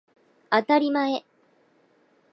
あたりまえ